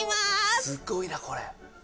すごいなこれ。